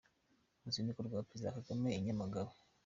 Uruzinduko rwa Perezida Kagame i Nyamagabe